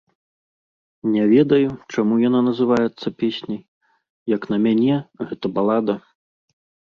Не ведаю, чаму яна называецца песняй, як на мяне, гэта балада.